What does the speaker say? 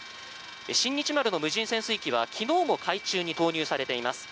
「新日丸」の無人潜水機は昨日も海中に投入されています。